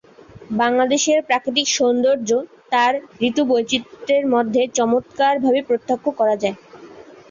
বাংলাদেশের প্রাকৃতিক সৌন্দর্য তার ঋতুবৈচিত্রের মধ্যে চমৎকারভাবে প্রত্যক্ষ করা যায়।